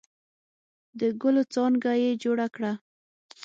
د ګلو څانګه یې جوړه کړه.